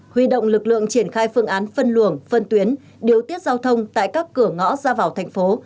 huy động lực lượng triển khai phương án phân luồng phân tuyến điều tiết giao thông tại các cửa ngõ ra vào thành phố